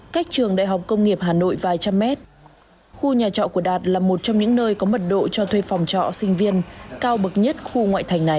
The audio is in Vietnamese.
cách trường đại học công nghiệp hà nội vài trăm mét khu nhà trọ của đạt là một trong những nơi có mật độ cho thuê phòng trọ sinh viên cao bậc nhất khu ngoại thành này